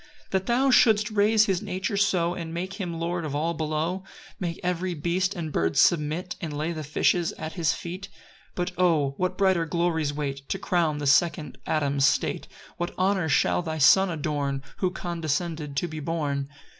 2 That thou shouldst raise his nature so And make him lord of all below; Make every beast and bird submit, And lay the fishes at his feet? 3 But O, what brighter glories wait To crown the second Adam's state! What honours shall thy Son adorn Who condescended to be born!